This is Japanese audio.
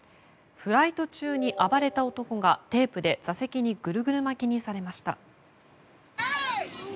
フライト中に暴れた男がテープで座席にぐるぐる巻きにされました。